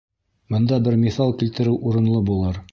Бында бер миҫал килтереү урынлы булыр.